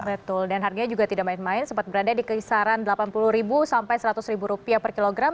betul dan harganya juga tidak main main sempat berada di kisaran rp delapan puluh sampai rp seratus per kilogram